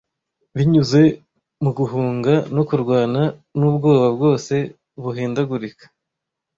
Binyuze mu guhunga no kurwana nubwoba bwose buhindagurika,